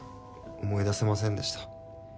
思い出せませんでした。